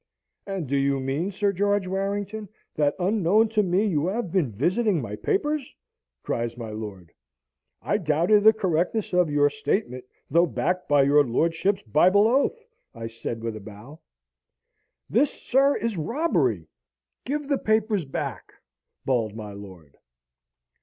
"And do you mean, Sir George Warrington, that unknown to me you have been visiting my papers?" cries my lord. "I doubted the correctness of your statement, though backed by your lordship's Bible oath," I said with a bow. "This, sir, is robbery! Give the papers back!" bawled my lord.